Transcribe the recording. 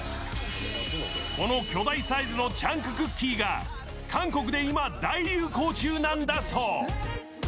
この巨大サイズのチャンククッキーが韓国で今、大流行中なんだそう。